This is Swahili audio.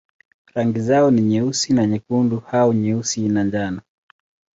Rangi zao ni nyeusi na nyekundu au nyeusi na njano.